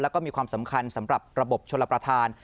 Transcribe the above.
แล้วก็มีความสำคัญสำหรับระบบชลประธาน